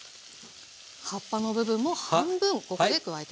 葉っぱの部分も半分ここで加えていきます。